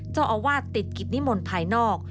เจ้าอาวาสติดกิจนิมนต์ภายนอก